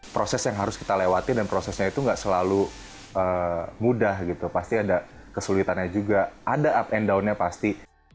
proses yang harus kita lewati dan prosesnya itu nggak selalu mudah gitu pasti ada kesulitannya juga ada up and downnya pasti